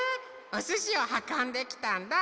おすしをはこんできたんだ。